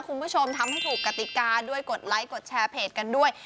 คุณผู้ชมทำให้ถูกกติกาด้วยกดไลค์กดแชร์เพจกันด้วย